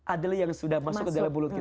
adalah yang sudah masuk ke dalam mulut kita